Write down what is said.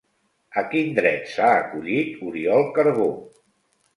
A quin dret s'ha acollit Oriol Carbó?